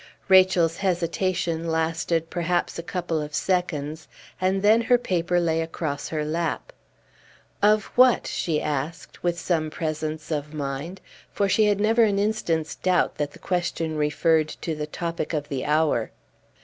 Rachel's hesitation lasted perhaps a couple of seconds, and then her paper lay across her lap. "Of what?" she asked, with some presence of mind, for she had never an instant's doubt that the question referred to the topic of the hour.